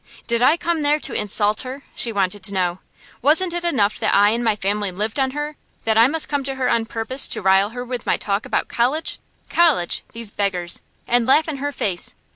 Did I come there to insult her? she wanted to know. Wasn't it enough that I and my family lived on her, that I must come to her on purpose to rile her with my talk about college college! these beggars! and laugh in her face?